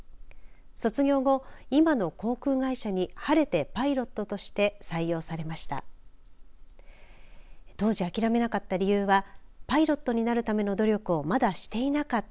卒業後、今の航空会社に晴れてパイロットとして採用されました。